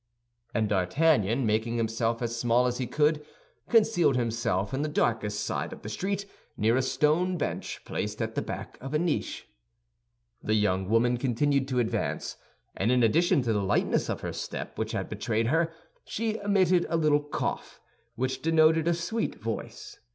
And D'Artagnan, making himself as small as he could, concealed himself in the darkest side of the street near a stone bench placed at the back of a niche. The young woman continued to advance; and in addition to the lightness of her step, which had betrayed her, she emitted a little cough which denoted a sweet voice.